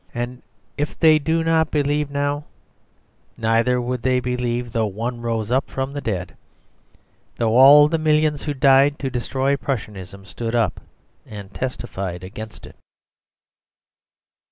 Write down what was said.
And if they do not believe now, neither would they believe though one rose from the dead; though all the millions who died to destroy Prussianism stood up and testified against it.